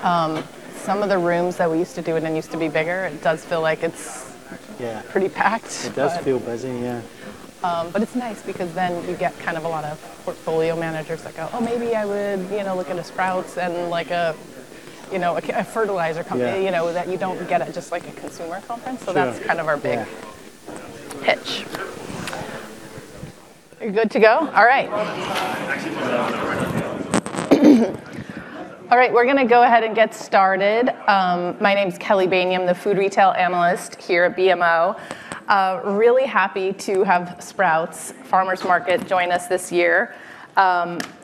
pitch. You're good to go? All right. We're gonna go ahead and get started. My name's Kelly Bania, the food retail analyst here at BMO. Really happy to have Sprouts Farmers Market join us this year.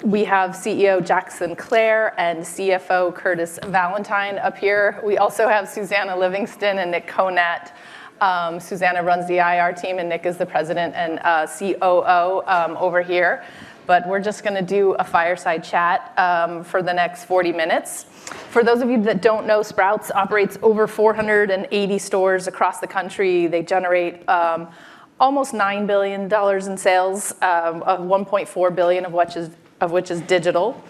We have CEO Jack Sinclair and CFO Curtis Valentine up here. We also have Susannah Livingston and Nick Konat. Susannah runs the IR team, and Nick is the President and COO over here. We're just gonna do a fireside chat for the next 40 minutes. For those of you that don't know, Sprouts operates over 480 stores across the country. They generate almost $9 billion in sales, $1.4 billion of which is digital.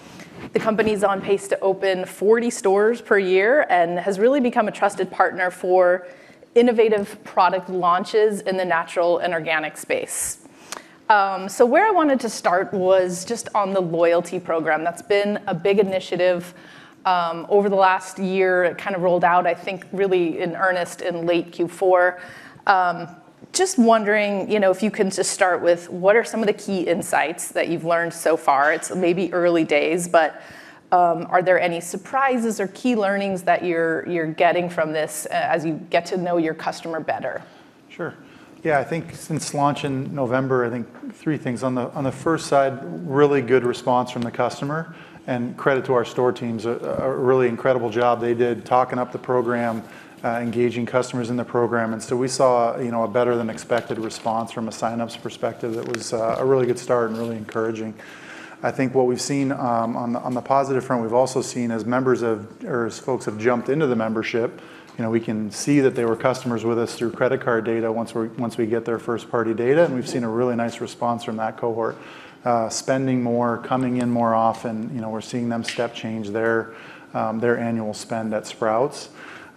The company's on pace to open 40 stores per year and has really become a trusted partner for innovative product launches in the natural and organic space. Where I wanted to start was just on the loyalty program. That's been a big initiative over the last year. It kind of rolled out, I think, really in earnest in late Q4. Just wondering, you know, if you can just start with, what are some of the key insights that you've learned so far? It's maybe early days, are there any surprises or key learnings that you're getting from this as you get to know your customer better? Sure. Yeah, I think since launch in November, I think three things. On the, on the first side, really good response from the customer, and credit to our store teams, a really incredible job they did talking up the program, engaging customers in the program. We saw, you know, a better-than-expected response from a sign-ups perspective. It was a really good start and really encouraging. I think what we've seen, on the, on the positive front, we've also seen as members of or as folks have jumped into the membership, you know, we can see that they were customers with us through credit card data once we get their first party data. We've seen a really nice response from that cohort, spending more, coming in more often. You know, we're seeing them step change their annual spend at Sprouts.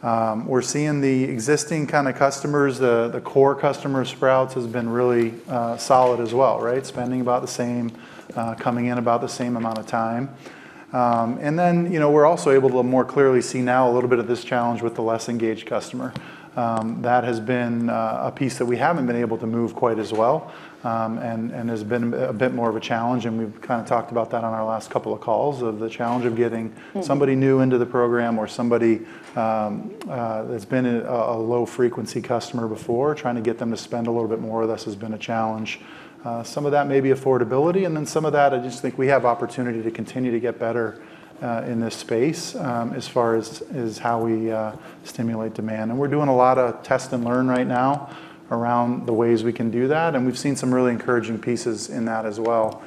We're seeing the existing kind of customers, the core customer of Sprouts has been really solid as well, right, spending about the same, coming in about the same amount of time. Then, you know, we're also able to more clearly see now a little bit of this challenge with the less engaged customer. That has been a piece that we haven't been able to move quite as well, and has been a bit more of a challenge, and we've kind of talked about that on our last couple of calls. somebody new into the program or somebody that's been a low-frequency customer before. Trying to get them to spend a little bit more with us has been a challenge. Some of that may be affordability, then some of that, I just think we have opportunity to continue to get better in this space as far as how we stimulate demand. We're doing a lot of test and learn right now around the ways we can do that, and we've seen some really encouraging pieces in that as well.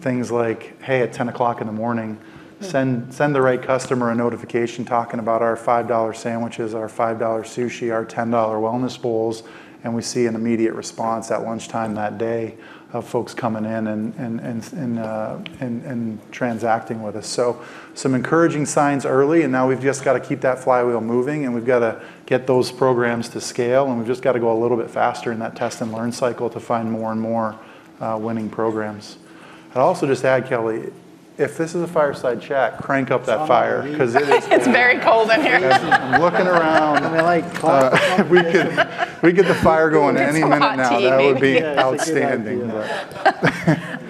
Things like, hey, at 10 o'clock in the morning. Yeah send the right customer a notification talking about our $5 sandwiches, our $5 sushi, our $10 wellness bowls, and we see an immediate response at lunchtime that day of folks coming in and transacting with us. Some encouraging signs early, and now we've just got to keep that flywheel moving, and we've got to get those programs to scale, and we've just got to go a little bit faster in that test and learn cycle to find more and more winning programs. I'd also just add, Kelly, if this is a fireside chat. Some of these- 'cause it is- It's very cold in here. I'm looking around. They're like, "What? We'd get the fire going any minute now. We need some hot tea maybe. That would be outstanding.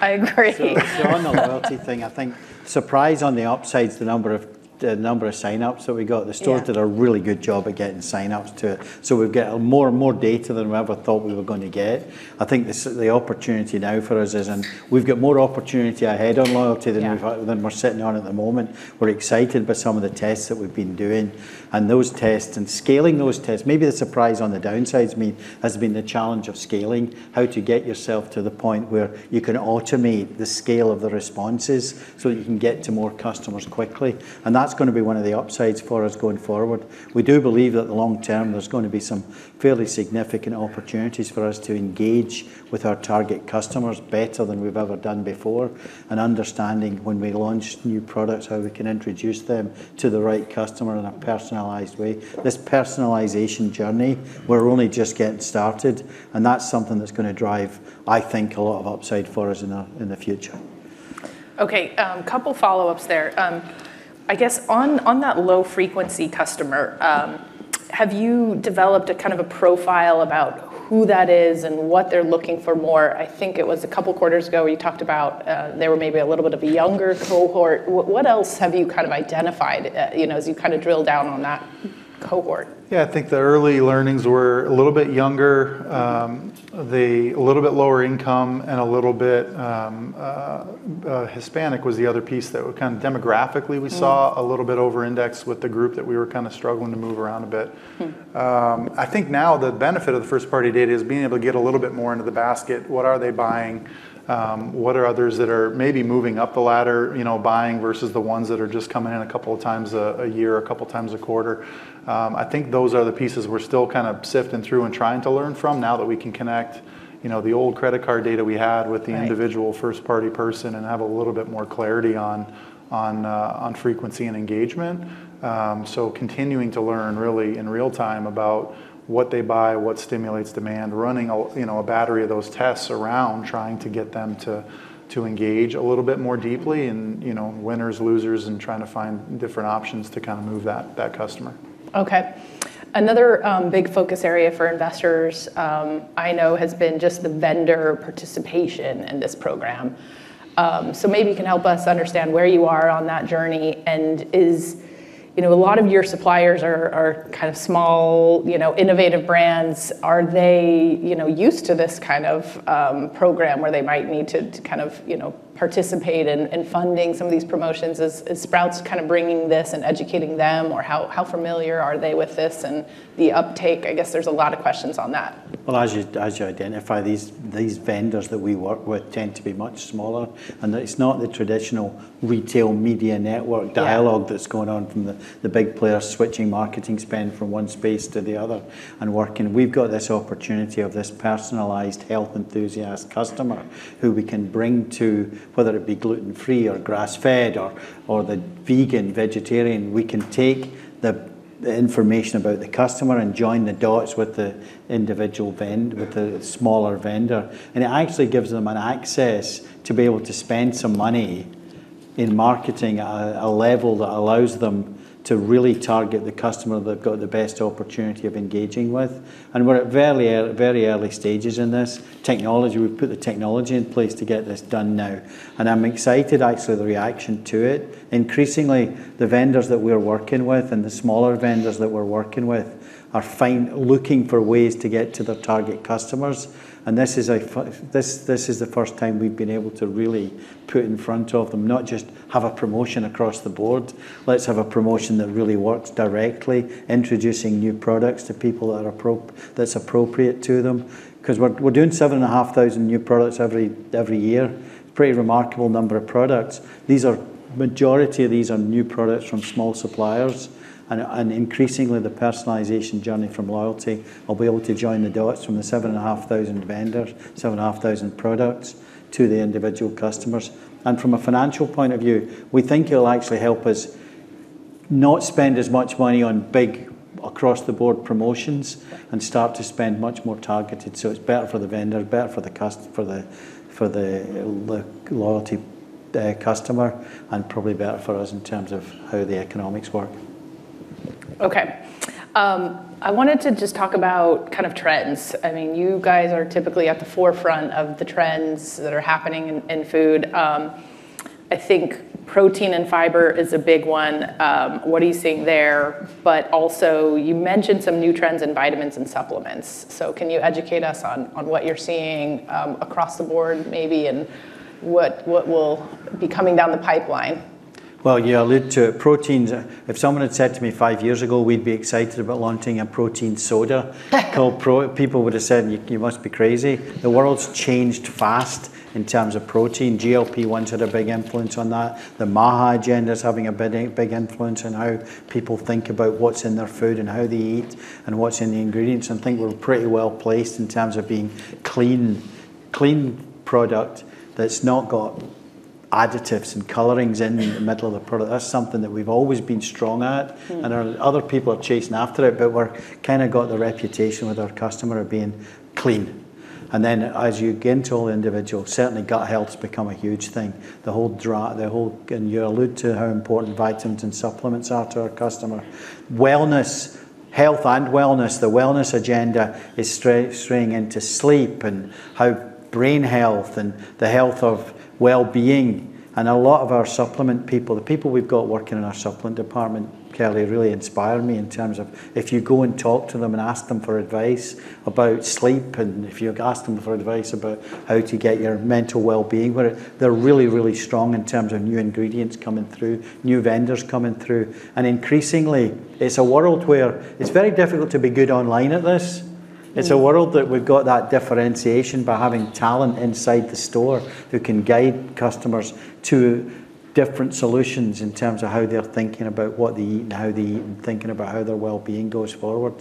I agree. On the loyalty thing, I think surprise on the upside's the number of signups that we got. Sure. The stores did a really good job at getting signups to it, so we've got more and more data than we ever thought we were going to get. I think the opportunity now for us is in we've got more opportunity ahead on loyalty. Yeah We've had, than we're sitting on at the moment. We're excited by some of the tests that we've been doing, and those tests and scaling those tests, maybe the surprise on the downside's been the challenge of scaling, how to get yourself to the point where you can automate the scale of the responses so that you can get to more customers quickly, and that's gonna be one of the upsides for us going forward. We do believe that the long term, there's gonna be some fairly significant opportunities for us to engage with our target customers better than we've ever done before, and understanding when we launch new products, how we can introduce them to the right customer in a personalized way. This personalization journey, we're only just getting started, and that's something that's gonna drive, I think, a lot of upside for us in the, in the future. Okay. Couple follow-ups there. I guess on that low frequency customer, have you developed a kind of a profile about who that is and what they're looking for more? I think it was a couple quarters ago where you talked about they were maybe a little bit of a younger cohort. What else have you kind of identified, you know, as you kind of drill down on that cohort? Yeah. I think the early learnings were a little bit younger. They a little bit lower income, and a little bit, Hispanic was the other piece that we kind of demographically we saw. a little bit over index with the group that we were kind of struggling to move around a bit. I think now the benefit of the first party data is being able to get a little bit more into the basket. What are they buying? What are others that are maybe moving up the ladder, you know, buying versus the ones that are just coming in a couple of times a year, a couple of times a quarter. I think those are the pieces we're still kind of sifting through and trying to learn from now that we can connect, you know, the old credit card data we had with the- Right individual first party person and have a little bit more clarity on frequency and engagement. Continuing to learn really in real time about what they buy, what stimulates demand, running a you know, a battery of those tests around trying to get them to engage a little bit more deeply and, you know, winners, losers, and trying to find different options to kind of move that customer. Okay. Another big focus area for investors, I know has been just the vendor participation in this program. Maybe you can help us understand where you are on that journey and is, you know, a lot of your suppliers are kind of small, you know, innovative brands. Are they, you know, used to this kind of program where they might need to kind of, you know, participate in funding some of these promotions? Is Sprouts kind of bringing this and educating them or how familiar are they with this and the uptake? I guess there's a lot of questions on that. Well, as you identify, these vendors that we work with tend to be much smaller, and it's not the traditional retail media network dialogue. Yeah that's going on from the big players switching marketing spend from 1 space to the other and working. We've got this opportunity of this personalized health enthusiast customer who we can bring to, whether it be gluten-free or grass-fed or the vegan, vegetarian. We can take the information about the customer and join the dots with the smaller vendor. It actually gives them an access to be able to spend some money in marketing a level that allows them to really target the customer they've got the best opportunity of engaging with. We're at very early stages in this technology. We've put the technology in place to get this done now, and I'm excited actually the reaction to it. Increasingly, the vendors that we're working with and the smaller vendors that we're working with are looking for ways to get to their target customers. This is the first time we've been able to really put in front of them, not just have a promotion across the board. Let's have a promotion that really works directly introducing new products to people that are appropriate to them. 'Cause we're doing 7,500 new products every year. Pretty remarkable number of products. Majority of these are new products from small suppliers and increasingly the personalization journey from loyalty will be able to join the dots from the 7,500 vendors, 7,500 products to the individual customers. From a financial point of view, we think it'll actually help us not spend as much money on big across the board promotions. Right Start to spend much more targeted. It's better for the vendor, better for the loyalty, the customer, and probably better for us in terms of how the economics work. I wanted to just talk about kind of trends. I mean, you guys are typically at the forefront of the trends that are happening in food. I think protein and fiber is a big one. What are you seeing there? But also you mentioned some new trends in vitamins and supplements. Can you educate us on what you're seeing, across the board maybe and what will be coming down the pipeline? Well, you allude to proteins. If someone had said to me five years ago, we'd be excited about launching a protein soda called Proda, people would have said, "You, you must be crazy." The world's changed fast in terms of protein. GLP-1s had a big influence on that. The MAHA agenda is having a big influence on how people think about what's in their food and how they eat and what's in the ingredients. I think we're pretty well placed in terms of being clean product that's not got additives and colorings in the middle of the product. That's something that we've always been strong at. Other people are chasing after it, but we're kind of got the reputation with our customer of being clean. You allude to how important vitamins and supplements are to our customer. Wellness, health and wellness, the wellness agenda is straying into sleep and how brain health and the health of well-being. A lot of our supplement people, the people we've got working in our supplement department, Kelly, really inspire me in terms of if you go and talk to them and ask them for advice about sleep and if you ask them for advice about how to get your mental well-being, where they're really, really strong in terms of new ingredients coming through, new vendors coming through. Increasingly, it's a world where it's very difficult to be good online at this. It's a world that we've got that differentiation by having talent inside the store who can guide customers to different solutions in terms of how they're thinking about what they eat and how they eat and thinking about how their wellbeing goes forward.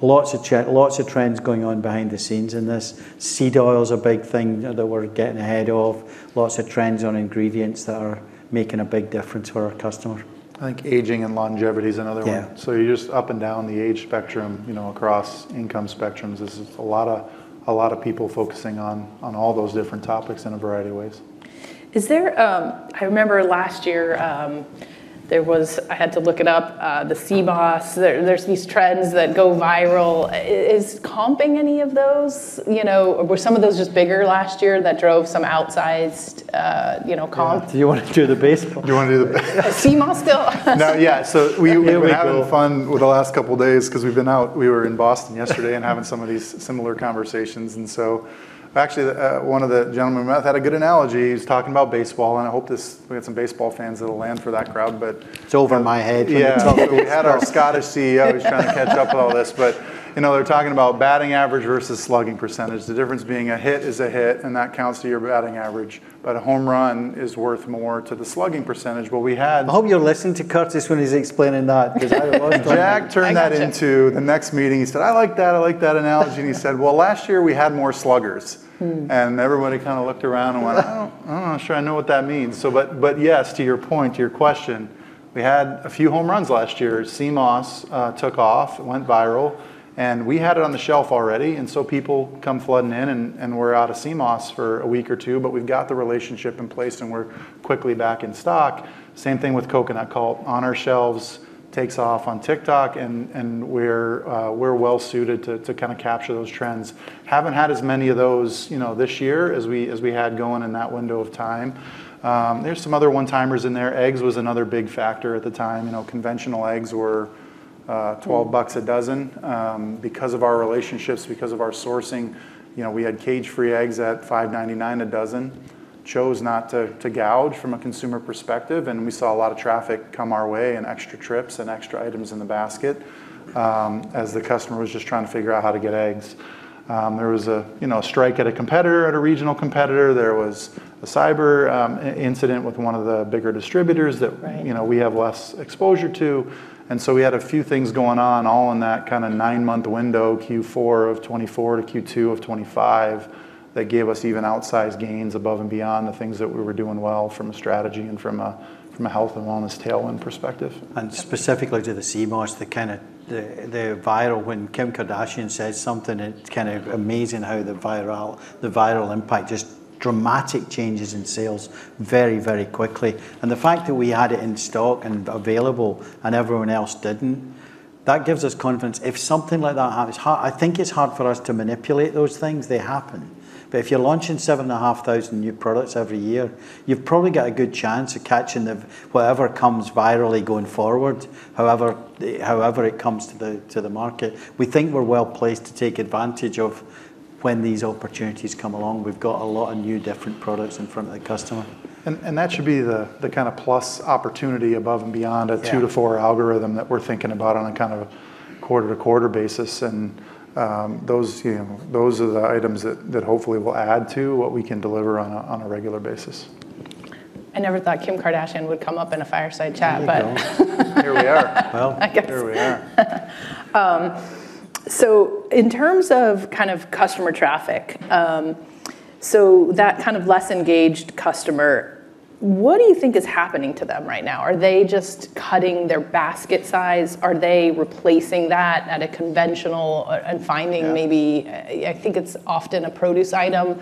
Lots of trends going on behind the scenes in this. Seed oil is a big thing that we're getting ahead of. Lots of trends on ingredients that are making a big difference for our customer. I think aging and longevity is another one. Yeah. You're just up and down the age spectrum, you know, across income spectrums. There's a lot of people focusing on all those different topics in a variety of ways. I remember last year, I had to look it up, the Sea Moss. There's these trends that go viral. Is comping any of those? You know, or were some of those just bigger last year that drove some outsized, you know, comp? Do you wanna do the baseball? Do you wanna do the. Sea Moss still? No. Yeah. Here we go. we're having fun with the last couple days 'cause we've been out. We were in Boston yesterday and having some of these similar conversations. Actually the one of the gentlemen we met had a good analogy. He's talking about baseball, I hope this we had some baseball fans that'll land for that crowd. It's over my head from the get-go. Yeah. We had our Scottish CEO- he's trying to catch up on all this, but, you know, they're talking about batting average versus slugging percentage. The difference being a hit is a hit, and that counts to your batting average, but a home run is worth more to the slugging percentage. What we had- I hope you're listening to Curtis when he's explaining that because I won't blame you. Jack turned that into the next meeting. He said, "I like that, I like that analogy." He said, "Well, last year we had more sluggers. Everybody kind of looked around and went, "I'm not sure I know what that means." Yes, to your point, to your question, we had a few home runs last year. Sea Moss took off, it went viral, and we had it on the shelf already, and so people come flooding in and we're out of Sea Moss for a week or two, but we've got the relationship in place and we're quickly back in stock. Same thing with Coconut Cult on our shelves, takes off on TikTok and we're well-suited to kind of capture those trends. Haven't had as many of those, you know, this year as we had going in that window of time. There's some other one-timers in there. Eggs was another big factor at the time. You know, conventional eggs were. $12 a dozen. Because of our relationships, because of our sourcing, you know, we had cage-free eggs at $5.99 a dozen. Chose not to gouge from a consumer perspective, and we saw a lot of traffic come our way and extra trips and extra items in the basket as the customer was just trying to figure out how to get eggs. There was a, you know, a strike at a competitor, at a regional competitor. There was a cyber incident with one of the bigger distributors. Right you know, we have less exposure to. We had a few things going on all in that kind of nine-month window, Q4 of 2024 to Q2 of 2025, that gave us even outsized gains above and beyond the things that we were doing well from a strategy and from a, from a health and wellness tailwind perspective. Specifically to the Sea Moss, the kind of the viral When Kim Kardashian says something, it's kind of amazing how the viral impact, just dramatic changes in sales very, very quickly. The fact that we had it in stock, and available and everyone else didn't, that gives us confidence. If something like that happens, I think it's hard for us to manipulate those things, they happen. If you're launching 7,500 new products every year, you've probably got a good chance of catching whatever comes virally going forward. However, however it comes to the market. We think we're well-placed to take advantage of when these opportunities come along. We've got a lot of new, different products in front of the customer. That should be the kind of plus opportunity above and beyond. Yeah a two to four algorithm that we're thinking about on a kind of quarter-to-quarter basis. Those, you know, those are the items that hopefully will add to what we can deliver on a, on a regular basis. I never thought Kim Kardashian would come up in a fireside chat. Here we are. Well- I guess. Here we are. In terms of kind of customer traffic, that kind of less engaged customer, what do you think is happening to them right now? Are they just cutting their basket size? Are they replacing that at a conventional? Yeah maybe, I think it's often a produce item.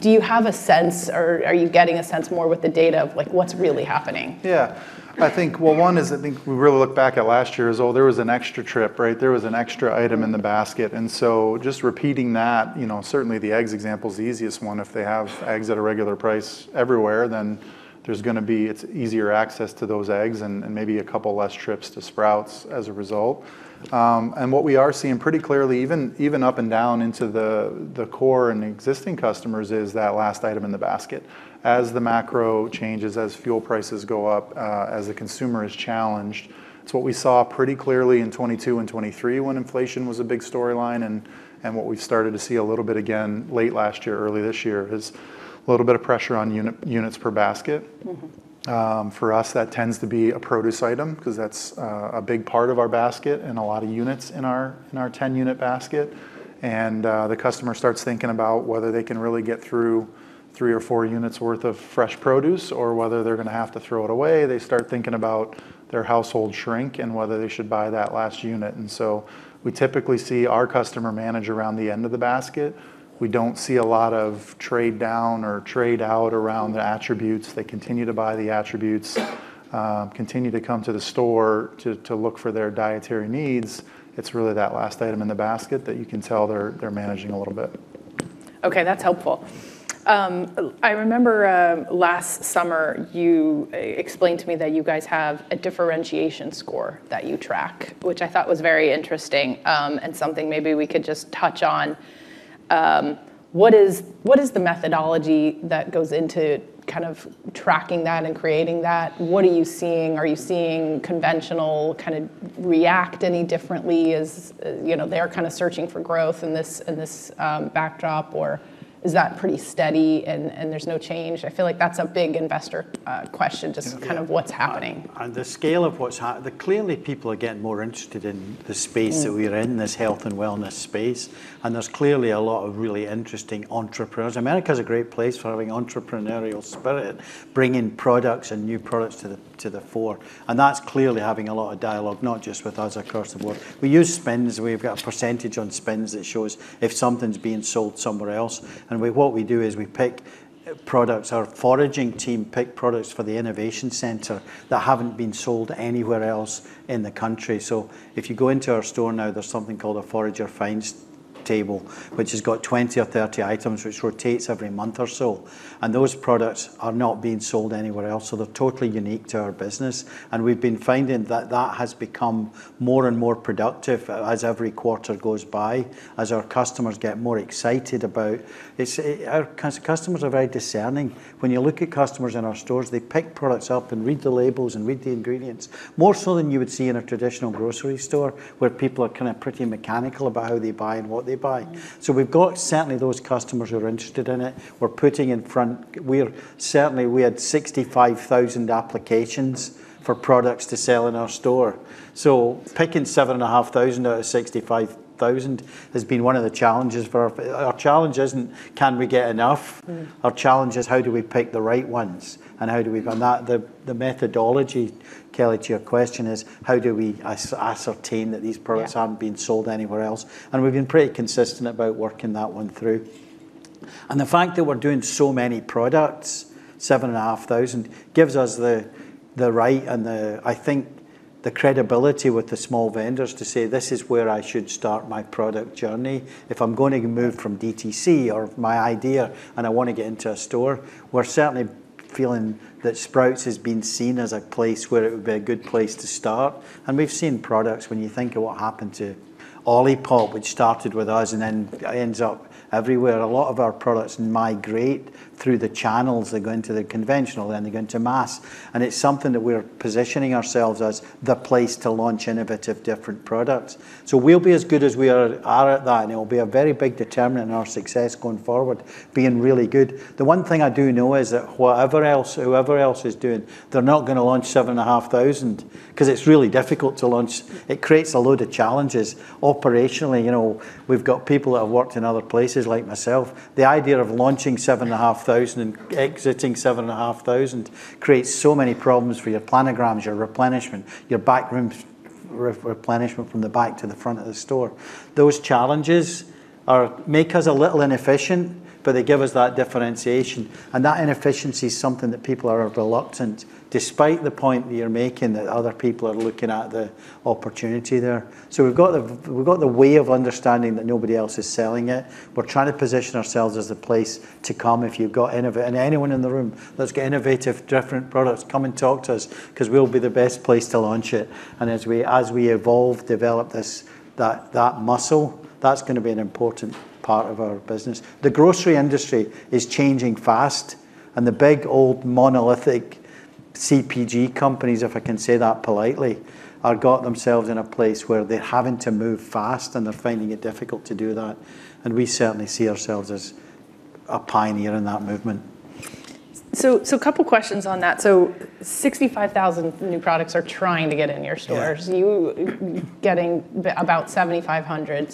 Do you have a sense or are you getting a sense more with the data of like what's really happening? I think, well, one is I think we really look back at last year as, oh, there was an extra trip, right? There was an extra item in the basket, just repeating that, you know, certainly the eggs example's the easiest one. If they have eggs at a regular price everywhere, there's gonna be, it's easier access to those eggs and maybe a couple less trips to Sprouts as a result. What we are seeing pretty clearly, even up and down into the core and existing customers, is that last item in the basket. As the macro changes, as fuel prices go up, as the consumer is challenged, it's what we saw pretty clearly in 2022 and 2023 when inflation was a big storyline and what we've started to see a little bit again late last year, early this year, is a little bit of pressure on units per basket. For us, that tends to be a produce item because that's a big part of our basket and a lot of units in our 10-unit basket. The customer starts thinking about whether they can really get through three or four units worth of fresh produce or whether they're gonna have to throw it away. They start thinking about their household shrink and whether they should buy that last unit. We typically see our customer manage around the end of the basket. We don't see a lot of trade down or trade out around the attributes. They continue to buy the attributes, continue to come to the store to look for their dietary needs. It's really that last item in the basket that you can tell they're managing a little bit. Okay, that's helpful. I remember last summer you explained to me that you guys have a differentiation score that you track, which I thought was very interesting, and something maybe we could just touch on. What is the methodology that goes into kind of tracking that and creating that? What are you seeing? Are you seeing conventional kind of react any differently? Is, you know, they're kind of searching for growth in this backdrop? Or is that pretty steady and there's no change? I feel like that's a big investor question, just kind of what's happening. Clearly, people are getting more interested in the space that we are in, this health and wellness space, and there's clearly a lot of really interesting entrepreneurs. America is a great place for having entrepreneurial spirit, bringing products and new products to the, to the fore, and that's clearly having a lot of dialogue, not just with us across the board. We use SPINS. We've got a percentage on SPINS that shows if something's being sold somewhere else. What we do is we pick products. Our foraging team pick products for the Innovation Center that haven't been sold anywhere else in the country. If you go into our store now, there's something called a "Forager Finds" table, which has got 20 or 30 items, which rotates every month or so. Those products are not being sold anywhere else. They're totally unique to our business. We've been finding that that has become more and more productive as every quarter goes by, as our customers get more excited about it. Our customers are very discerning. When you look at customers in our stores, they pick products up and read the labels and read the ingredients more so than you would see in a traditional grocery store where people are kind of pretty mechanical about how they buy and what they buy. We've got certainly those customers who are interested in it. Certainly we had 65,000 applications for products to sell in our store, so picking 7,500 out of 65,000 has been one of the challenges. Our challenge isn't can we get enough? Our challenge is how do we pick the right ones. That, the methodology, Kelly, to your question, is how do we ascertain that these products? Yeah aren't being sold anywhere else? We've been pretty consistent about working that one through. The fact that we're doing so many products, 7,500, gives us the right and, I think, the credibility with the small vendors to say, "This is where I should start my product journey." If I'm going to move from DTC or my idea and I want to get into a store, we're certainly feeling that Sprouts is being seen as a place where it would be a good place to start, and we've seen products, when you think of what happened to Olipop, which started with us and then ends up everywhere. A lot of our products migrate through the channels. They go into the conventional, then they go into mass, and it's something that we're positioning ourselves as the place to launch innovative, different products. We'll be as good as we are at that, and it'll be a very big determinant in our success going forward, being really good. The one thing I do know is that whatever else, whoever else is doing, they're not gonna launch 7,500 'cause it's really difficult to launch. It creates a load of challenges operationally. You know, we've got people that have worked in other places like myself. The idea of launching 7,500 and exiting 7,500 creates so many problems for your planograms, your replenishment, your back rooms re- replenishment from the back to the front of the store. Those challenges make us a little inefficient, but they give us that differentiation, and that inefficiency's something that people are reluctant despite the point that you're making that other people are looking at the opportunity there. We've got the way of understanding that nobody else is selling it. We're trying to position ourselves as the place to come if you've got innovative, different products, come and talk to us ’cause we'll be the best place to launch it. As we evolve, develop this, that muscle, that's gonna be an important part of our business. The grocery industry is changing fast, and the big, old, monolithic CPG companies, if I can say that politely, have got themselves in a place where they're having to move fast, and they're finding it difficult to do that, and we certainly see ourselves as a pioneer in that movement. Couple questions on that. 65,000 new products are trying to get in your stores. Yeah. You getting about 7,500,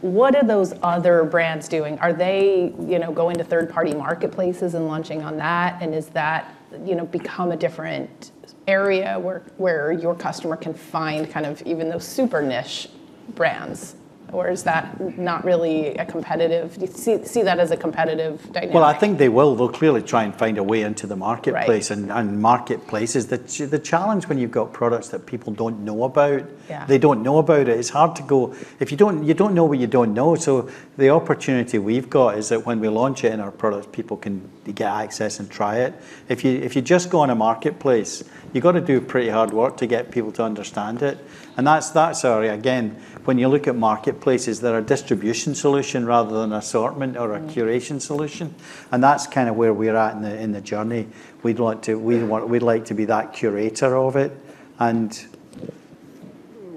what are those other brands doing? Are they, you know, going to third-party marketplaces and launching on that, and is that, you know, become a different area where your customer can find kind of even those super niche brands, or is that not really a competitive Do you see that as a competitive dynamic? I think they will. They'll clearly try and find a way into the marketplace. Right marketplaces. The challenge when you've got products that people don't know about. Yeah They don't know about it's hard to go if you don't, you don't know what you don't know. The opportunity we've got is that when we launch it in our products, people can get access and try it. If you just go on a marketplace, you gotta do pretty hard work to get people to understand it, and that's, sorry, again, when you look at marketplaces that are a distribution solution rather than assortment or a curation solution. That's kind of where we're at in the journey. We'd like to be that curator of it.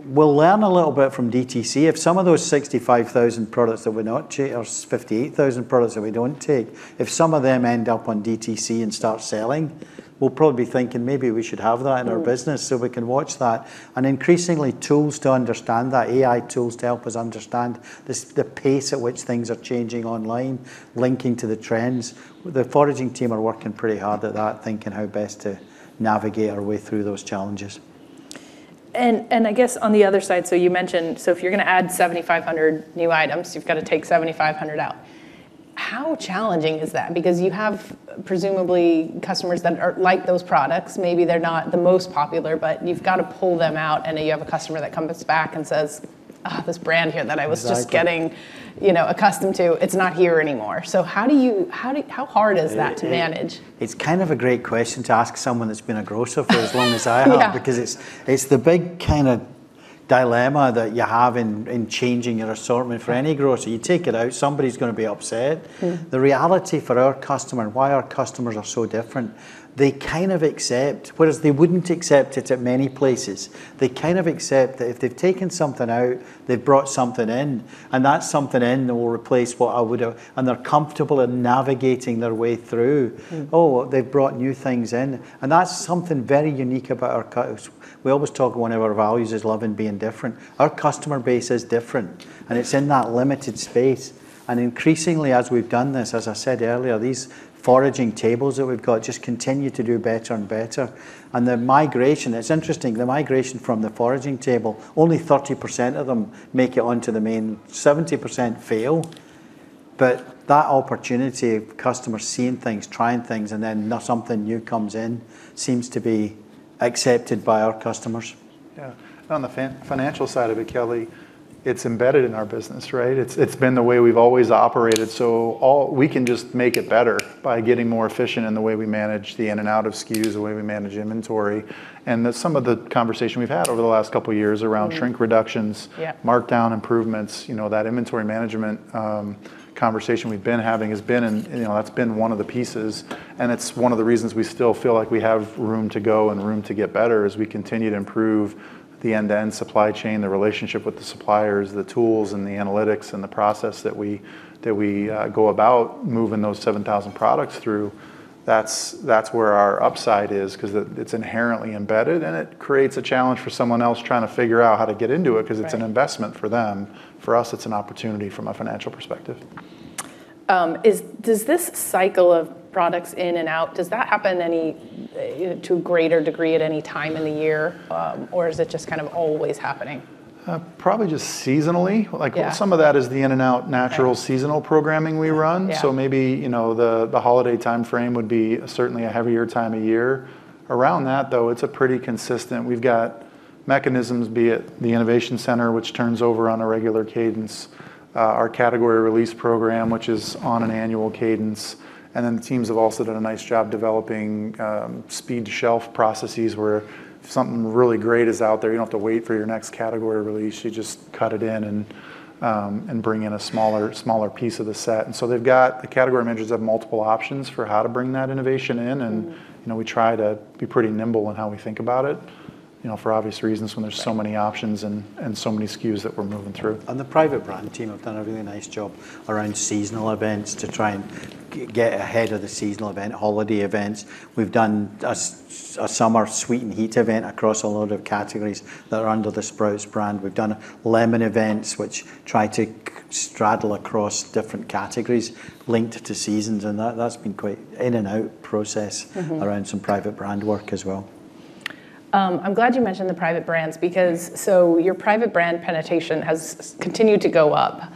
We'll learn a little bit from DTC. If some of those 65,000 products that we're not or 58,000 products that we don't take, if some of them end up on DTC and start selling, we'll probably be thinking maybe we should have that in our business so we can watch that. Increasingly, tools to understand that, AI tools to help us understand the pace at which things are changing online, linking to the trends, the foraging team are working pretty hard at that, thinking how best to navigate our way through those challenges. I guess on the other side, so you mentioned, so if you're gonna add 7,500 new items, you've gotta take 7,500 out. How challenging is that? You have presumably customers that are, like those products, maybe they're not the most popular, but you've got to pull them out, and then you have a customer that comes back and says, "This brand here that I was just getting- Exactly you know, accustomed to, it's not here anymore." How hard is that to manage? It's kind of a great question to ask someone that's been a grocer for as long as I have. Yeah It's the big kind of dilemma that you have in changing an assortment for any grocer. You take it out, somebody's gonna be upset. The reality for our customer and why our customers are so different, they kind of accept, whereas they wouldn't accept it at many places, they kind of accept that if they've taken something out, they've brought something in, and that something in will replace what I would have. They're comfortable in navigating their way through. Oh, they've brought new things in. That's something very unique about our cus-. We always talk one of our values is love and being different. Our customer base is different, and it's in that limited space. Increasingly as we've done this, as I said earlier, these foraging tables that we've got just continue to do better and better, and the migration, it's interesting, the migration from the foraging table, only 30% of them make it onto the main. 70% fail. That opportunity of customers seeing things, trying things, and then now something new comes in seems to be accepted by our customers. Yeah. On the financial side of it, Kelly, it's embedded in our business, right? It's been the way we've always operated. We can just make it better by getting more efficient in the way we manage the in and out of SKUs, the way we manage inventory, and some of the conversation we've had over the last couple years around shrink reductions. Yeah markdown improvements, you know, that inventory management conversation we've been having has been in, you know, that's been one of the pieces, and it's one of the reasons we still feel like we have room to go and room to get better as we continue to improve the end-to-end supply chain, the relationship with the suppliers, the tools and the analytics and the process that we go about moving those 7,000 products through. That's where our upside is, 'cause it's inherently embedded, and it creates a challenge for someone else trying to figure out how to get into it. Right 'cause it's an investment for them. For us, it's an opportunity from a financial perspective. Does this cycle of products in and out, does that happen any, you know, to a greater degree at any time in the year, or is it just kind of always happening? Probably just seasonally. Yeah. Like, some of that is the in and out natural-. Right seasonal programming we run. Yeah. Maybe the holiday timeframe would be certainly a heavier time of year. Around that, though, we've got mechanisms, be it the Innovation Center, which turns over on a regular cadence, our category release program, which is on an annual cadence, and then the teams have also done a nice job developing speed-to-shelf processes where if something really great is out there, you don't have to wait for your next category release. You just cut it in and bring in a smaller piece of the set. The category managers have multiple options for how to bring that innovation in. you know, we try to be pretty nimble in how we think about it, you know, for obvious reasons when there's so many options. Right So many SKUs that we're moving through. The private brand team have done a really nice job around seasonal events to try and get ahead of the seasonal event, holiday events. We've done a summer sweet and heat event across a lot of categories that are under the Sprouts Brand. We've done lemon events which try to straddle across different categories linked to seasons, that's been quite in and out process. around some private brand work as well. I'm glad you mentioned the private brands because, so your private brand penetration has continued to go up,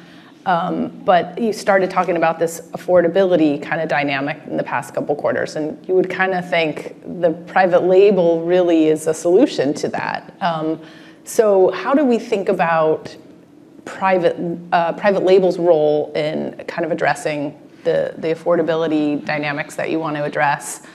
but you started talking about this affordability kind of dynamic in the past couple quarters, and you would kind of think the private label really is a solution to that. How do we think about private label's role in kind of addressing the affordability dynamics that you want to address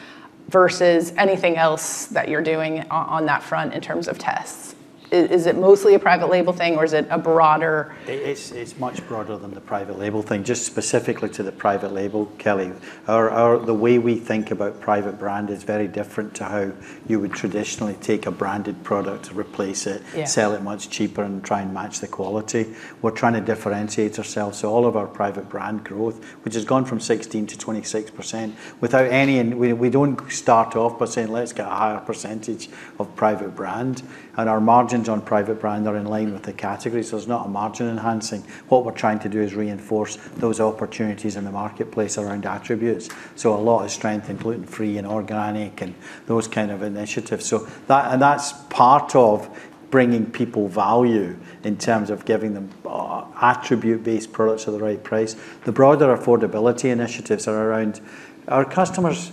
versus anything else that you're doing on that front in terms of tests? Is it mostly a private label thing, or is it a broader- It's much broader than the private label thing. Just specifically to the private label, Kelly, our the way we think about private brand is very different to how you would traditionally take a branded product, replace it- Yeah sell it much cheaper, and try and match the quality. We're trying to differentiate ourselves. All of our private brand growth, which has gone from 16%-26% without any we don't start off by saying, "Let's get a higher percentage of private brand." Our margins on private brand are in line with the category, so it's not a margin enhancing. What we're trying to do is reinforce those opportunities in the marketplace around attributes, so a lot of strength in gluten-free, in organic, in those kind of initiatives. That, and that's part of bringing people value in terms of giving them attribute-based products at the right price. The broader affordability initiatives are around our customers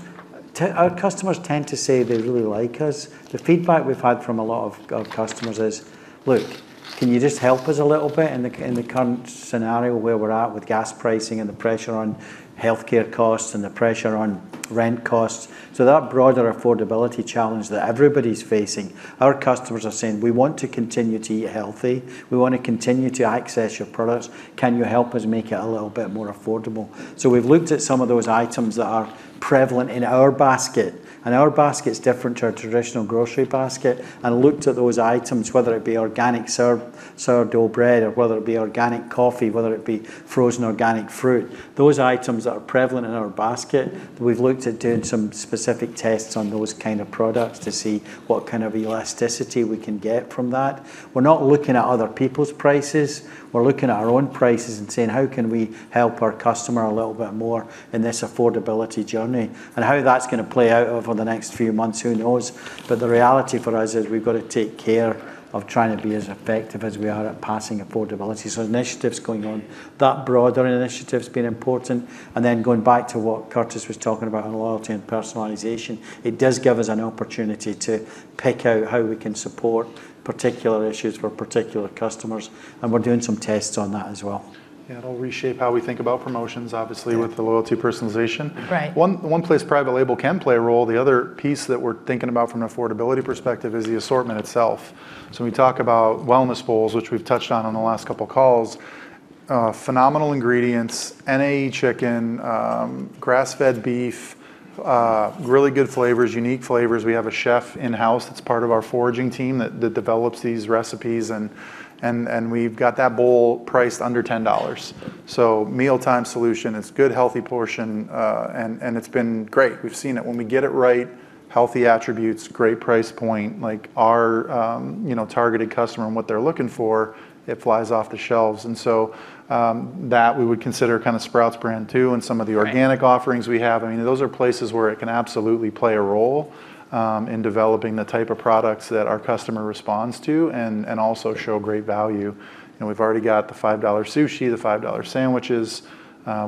our customers tend to say they really like us. The feedback we've had from a lot of customers is, "Look, can you just help us a little bit in the current scenario where we're at with gas pricing and the pressure on healthcare costs and the pressure on rent costs?" That broader affordability challenge that everybody's facing, our customers are saying, "We want to continue to eat healthy. We want to continue to access your products. Can you help us make it a little bit more affordable?" We've looked at some of those items that are prevalent in our basket, and our basket's different to a traditional grocery basket, and looked at those items, whether it be organic sour, sourdough bread or whether it be organic coffee, whether it be frozen organic fruit. Those items that are prevalent in our basket, we've looked at doing some specific tests on those kind of products to see what kind of elasticity we can get from that. We're not looking at other people's prices. We're looking at our own prices and saying, "How can we help our customer a little bit more in this affordability journey?" How that's going to play out over the next few months, who knows. The reality for us is we've got to take care of trying to be as effective as we are at passing affordability. Initiatives going on, that broader initiative's been important. Going back to what Curtis was talking about on loyalty and personalization, it does give us an opportunity to pick out how we can support particular issues for particular customers, and we're doing some tests on that as well. Yeah, it'll reshape how we think about promotions, obviously. Yeah The loyalty personalization. Right. One place private label can play a role, the other piece that we're thinking about from an affordability perspective is the assortment itself. When we talk about wellness bowls, which we've touched on in the last couple calls, phenomenal ingredients, NAE chicken, grass-fed beef, really good flavors, unique flavors. We have a chef in-house that's part of our foraging team that develops these recipes. We've got that bowl priced under $10. Mealtime solution, it's good healthy portion, and it's been great. We've seen it, when we get it right, healthy attributes, great price point, like our, you know, targeted customer and what they're looking for, it flies off the shelves. That we would consider kind of Sprouts Brand too, and some of the. Right organic offerings we have. I mean, those are places where it can absolutely play a role, in developing the type of products that our customer responds to and also show great value. You know, we've already got the $5 sushi, the $5 sandwiches.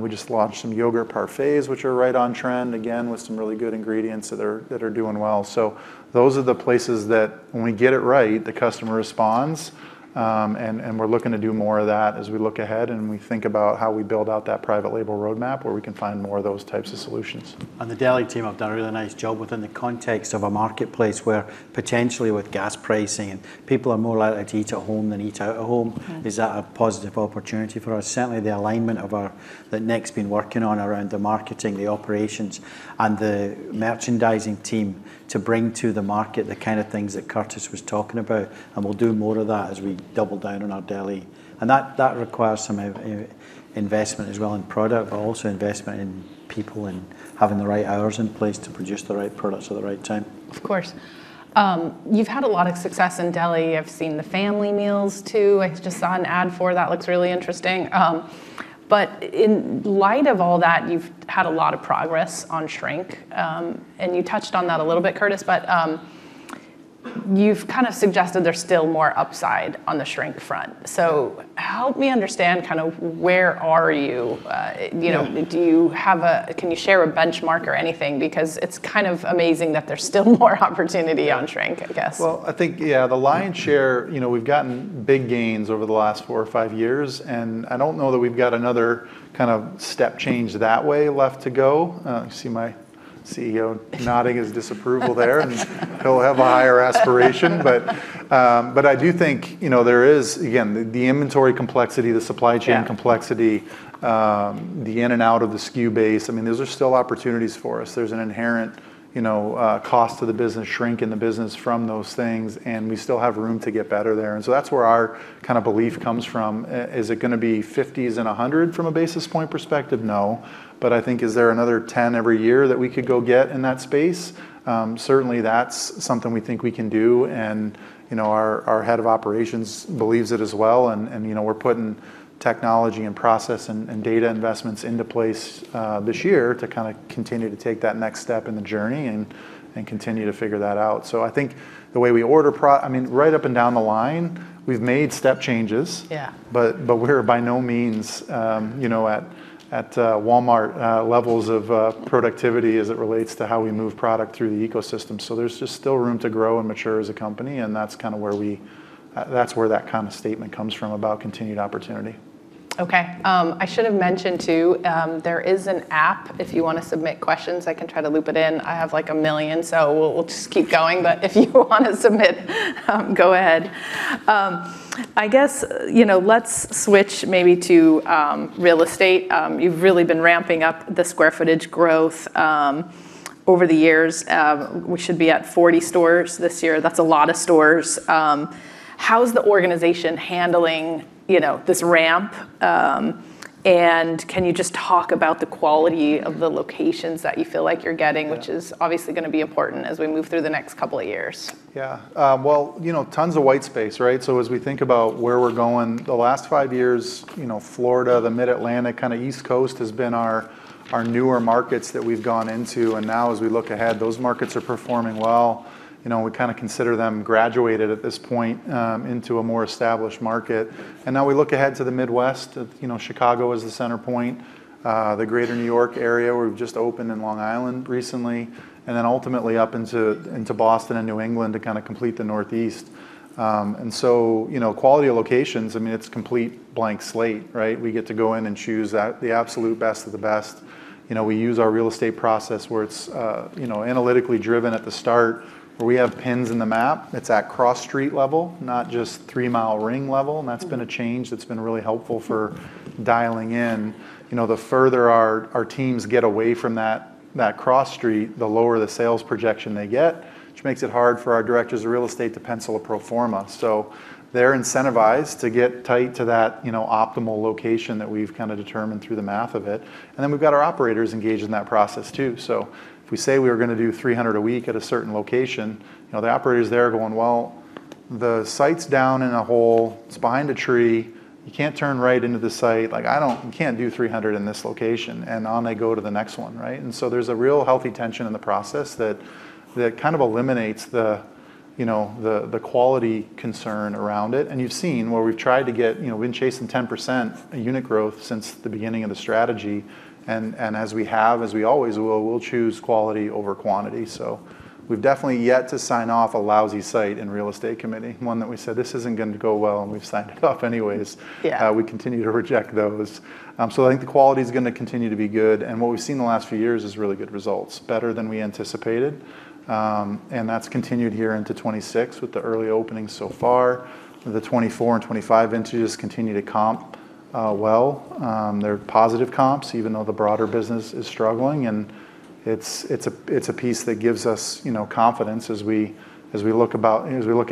We just launched some yogurt parfaits, which are right on trend, again with some really good ingredients that are doing well. Those are the places that when we get it right, the customer responds. We're looking to do more of that as we look ahead and we think about how we build out that private label roadmap, where we can find more of those types of solutions. The deli team have done a really nice job within the context of a marketplace where potentially with gas pricing and people are more likely to eat at home than eat out of home. Is that a positive opportunity for us? Certainly the alignment that Nick's been working on around the marketing, the operations, and the merchandising team to bring to the market the kind of things that Curtis was talking about. We'll do more of that as we double down on our deli. That requires some investment as well in product, but also investment in people and having the right hours in place to produce the right products at the right time. Of course. You've had a lot of success in deli. I've seen the family meals too. I just saw an ad for that, looks really interesting. In light of all that, you've had a lot of progress on shrink. You touched on that a little bit, Curtis. You've kind of suggested there's still more upside on the shrink front. Help me understand kind of where are you? Yeah Can you share a benchmark or anything? It's kind of amazing that there's still more opportunity on shrink, I guess. Well, I think, yeah, the lion's share, you know, we've gotten big gains over the last four or five years. I don't know that we've got another kind of step change that way left to go. I see my CEO nodding his disapproval there. He'll have a higher aspiration. I do think, you know, there is, again, the inventory complexity, the supply chain complexity. Yeah The in and out of the SKU base, I mean, those are still opportunities for us. There's an inherent, you know, cost to the business, shrink in the business from those things, and we still have room to get better there. That's where our kind of belief comes from. Is it gonna be 50s and 100 from a basis point perspective? No. I think is there another 10 every year that we could go get in that space? Certainly that's something we think we can do and, you know, our head of operations believes it as well. You know, we're putting technology and process and data investments into place this year to kind of continue to take that next step in the journey and continue to figure that out. I think the way we order, I mean, right up and down the line, we've made step changes. Yeah. We're by no means, you know, at Walmart levels of productivity as it relates to how we move product through the ecosystem. There's just still room to grow and mature as a company, and that's kinda where that kind of statement comes from about continued opportunity. Okay. I should have mentioned too, there is an app if you wanna submit questions. I can try to loop it in. I have like a million, so we'll just keep going. If you wanna submit, go ahead. I guess, you know, let's switch maybe to real estate. You've really been ramping up the square footage growth over the years. We should be at 40 stores this year. That's a lot of stores. How's the organization handling, you know, this ramp? Can you just talk about the quality of the locations that you feel like you're getting- Yeah which is obviously gonna be important as we move through the next couple of years. Yeah. Well, you know, tons of white space, right? As we think about where we're going, the last five years, you know, Florida, the Mid-Atlantic, kinda East Coast has been our newer markets that we've gone into. As we look ahead, those markets are performing well. You know, we kinda consider them graduated at this point, into a more established market. We look ahead to the Midwest of, you know, Chicago as the center point, the greater New York area, where we've just opened in Long Island recently, and then ultimately up into Boston and New England to kinda complete the Northeast. You know, quality of locations, I mean, it's complete blank slate, right? We get to go in and choose the absolute best of the best. You know, we use our real estate process, where it's, you know, analytically driven at the start, where we have pins in the map that's at cross street level, not just three-mile ring level. That's been a change that's been really helpful for dialing in. You know, the further our teams get away from that cross street, the lower the sales projection they get, which makes it hard for our directors of real estate to pencil a pro forma. So they're incentivized to get tight to that, you know, optimal location that we've kinda determined through the math of it. Then we've got our operators engaged in that process too. If we say we are gonna do 300 a week at a certain location, you know, the operator's there going, "Well, the site's down in a hole, it's behind a tree, you can't turn right into the site. Like, I don't. You can't do 300 in this location." On they go to the next one, right? There's a real healthy tension in the process that kind of eliminates, you know, the quality concern around it. You've seen where we've tried to get, you know, we've been chasing 10% unit growth since the beginning of the strategy. As we have, as we always will, we'll choose quality over quantity. We've definitely yet to sign off a lousy site in real estate committee, one that we said, "This isn't gonna go well," and we've signed it off anyways. Yeah. We continue to reject those. I think the quality's gonna continue to be good, and what we've seen the last few years is really good results, better than we anticipated. That's continued here into 2026 with the early openings so far. The 2024 and 2025 intros continue to comp well. They're positive comps even though the broader business is struggling, and it's a piece that gives us, you know, confidence as we look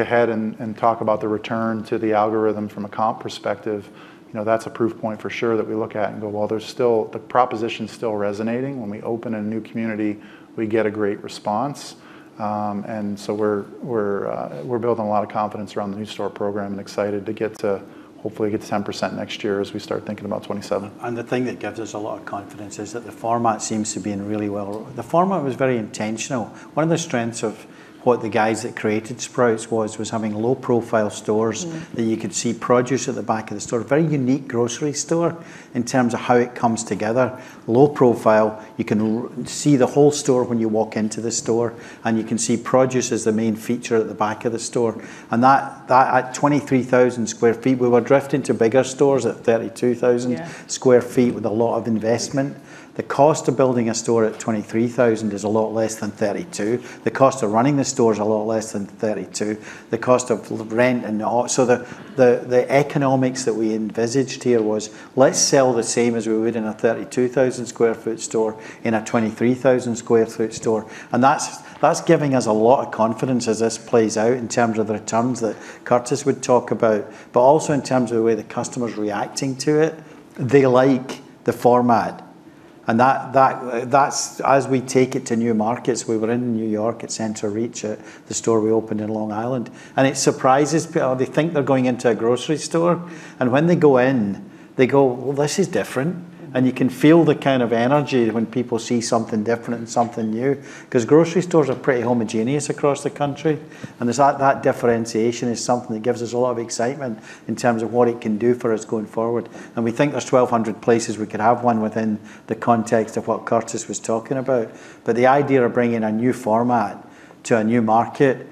ahead and talk about the return to the algorithm from a comp perspective. You know, that's a proof point for sure that we look at and go, well, the proposition's still resonating. When we open a new community, we get a great response. We're building a lot of confidence around the new store program, and excited to get to, hopefully get to 10% next year as we start thinking about 2027. The thing that gives us a lot of confidence is that the format seems to be in really well. The format was very intentional. One of the strengths of what the guys that created Sprouts was having low profile stores. that you could see produce at the back of the store. Very unique grocery store in terms of how it comes together. Low profile. You can see the whole store when you walk into the store, and you can see produce as the main feature at the back of the store. That at 23,000 sq ft, we were drifting to bigger stores at 32,000. Yeah square feet with a lot of investment. The cost of building a store at 23,000 is a lot less than 32. The cost of running the store is a lot less than 32. The cost of rent and all. The economics that we envisaged here was, let's sell the same as we would in a 32,000 square foot store, in a 23,000 square foot store. That's giving us a lot of confidence as this plays out in terms of the returns that Curtis would talk about, but also in terms of the way the customer's reacting to it. They like the format, that's as we take it to new markets, we were in New York at Centereach, at the store we opened in Long Island, it surprises. They think they're going into a grocery store. When they go in they go, "Well, this is different. You can feel the kind of energy when people see something different and something new. 'Cause grocery stores are pretty homogeneous across the country, that differentiation is something that gives us a lot of excitement in terms of what it can do for us going forward. We think there's 1,200 places we could have one within the context of what Curtis was talking about. The idea of bringing a new format to a new market,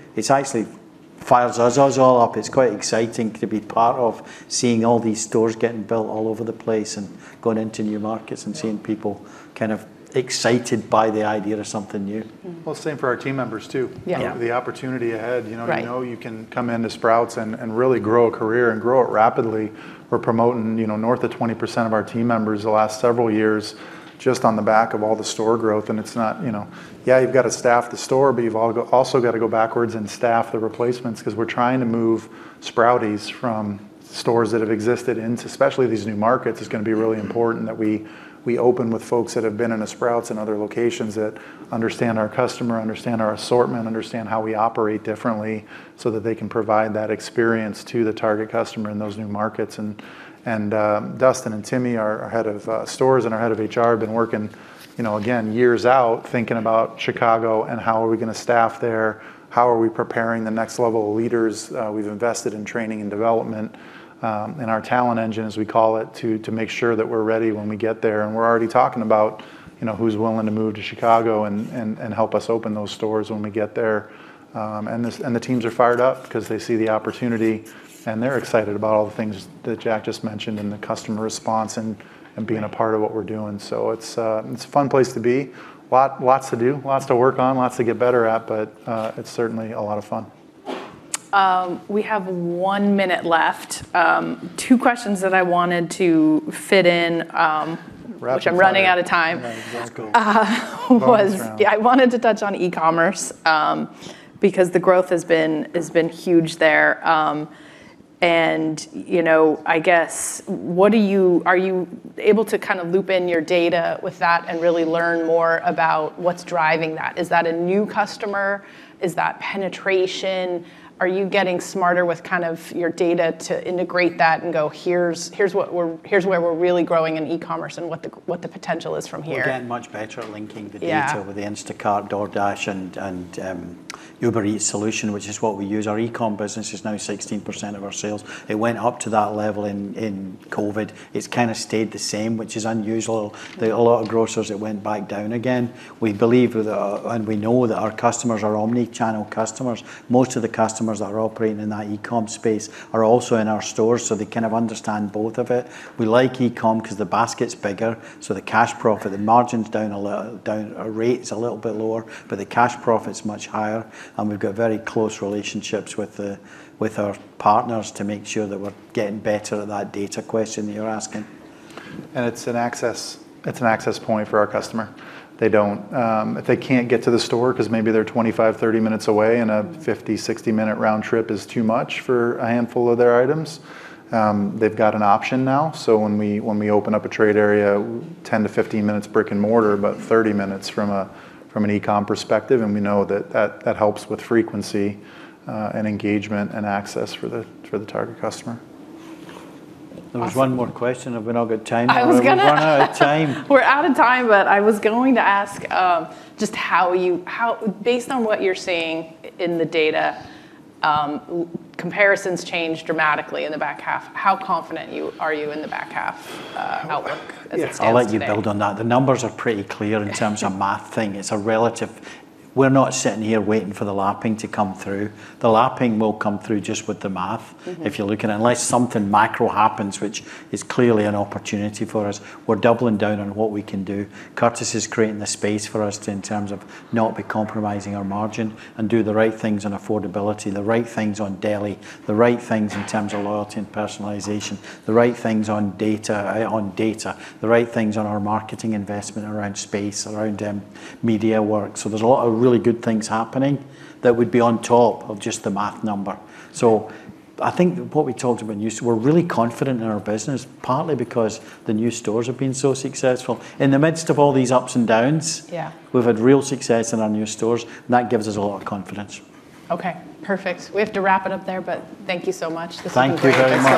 it's actually, fires us all up. It's quite exciting to be part of seeing all these stores getting built all over the place and going into new markets and seeing people kind of excited by the idea of something new. Well, same for our team members too. Yeah. Yeah. The opportunity ahead, you know? Right. You know you can come into Sprouts and really grow a career and grow it rapidly. We're promoting, you know, north of 20% of our team members the last several years, just on the back of all the store growth, and it's not, you know Yeah, you've also got to go backwards and staff the replacements, 'cause we're trying to move Sprouties from stores that have existed into, especially these new markets, it's gonna be really important that we open with folks that have been in a Sprouts and other locations that understand our customer, understand our assortment, understand how we operate differently, so that they can provide that experience to the target customer in those new markets and Dustin and Timmi, our head of stores and our head of HR, have been working, you know, again, years out, thinking about Chicago and how are we gonna staff there? How are we preparing the next level of leaders? We've invested in training and development, and our talent engine, as we call it, to make sure that we're ready when we get there. We're already talking about, you know, who's willing to move to Chicago and help us open those stores when we get there. The teams are fired up, 'cause they see the opportunity, and they're excited about all the things that Jack just mentioned, and the customer response and being a part of what we're doing. It's a fun place to be. Lots to do, lots to work on, lots to get better at, but it's certainly a lot of fun. We have one minute left. Two questions that I wanted to fit in. Rapid fire. which I'm running out of time. Right. Let's go. Uh, was- Bonus round. Yeah, I wanted to touch on e-commerce, because the growth has been huge there. You know, I guess what are you able to kind of loop in your data with that and really learn more about what's driving that? Is that a new customer? Is that penetration? Are you getting smarter with kind of your data to integrate that and go, "Here's what we're really growing in e-commerce," and what the potential is from here? We're getting much better at linking the data. Yeah with the Instacart, DoorDash, and Uber Eats solution, which is what we use. Our e-com business is now 16% of our sales. It went up to that level in COVID. It's kind of stayed the same, which is unusual. Yeah. There are a lot of grocers that went back down again. We believe with, and we know that our customers are omni-channel customers. Most of the customers that are operating in that e-com space are also in our stores, so they kind of understand both of it. We like e-com 'cause the basket's bigger, so the cash profit, the margin's down, or rate's a little bit lower, but the cash profit's much higher, and we've got very close relationships with our partners to make sure that we're getting better at that data question that you're asking. It's an access point for our customer. They don't, if they can't get to the store, because maybe they're 25, 30 minutes away, and a 50, 60-minute round trip is too much for a handful of their items, they've got an option now. When we open up a trade area, 10 to 15 minutes brick and mortar, but 30 minutes from an e-com perspective, and we know that helps with frequency, engagement, and access for the target customer. Awesome. There was one more question. Have we not got time? I was gonna. Have we run out of time? We're out of time. I was going to ask, just how Based on what you're seeing in the data, comparisons change dramatically in the back half. How confident are you in the back half outlook? Yeah as it stands today? I'll let you build on that. The numbers are pretty clear in terms of math thing. We're not sitting here waiting for the lapping to come through. The lapping will come through just with the math. If you're looking, unless something macro happens, which is clearly an opportunity for us, we're doubling down on what we can do. Curtis is creating the space for us to, in terms of not be compromising our margin, and do the right things on affordability, the right things on deli, the right things in terms of loyalty and personalization, the right things on data. The right things on our marketing investment around space, around media work. There's a lot of really good things happening that would be on top of just the math number. I think what we talked about, we're really confident in our business, partly because the new stores have been so successful. Yeah we've had real success in our new stores, and that gives us a lot of confidence. Okay. Perfect. We have to wrap it up there. Thank you so much. This has been great. Thank you very much.